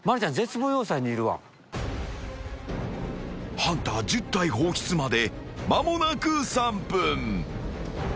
［ハンター１０体放出まで間もなく３分］